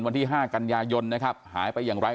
วันที่๕กันยายนนะครับหายไปอย่างไร